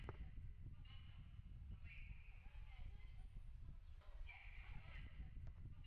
কিন্তু তাঁদের শিডিউলে অনেক পরিবর্তন হামেশাই হচ্ছে।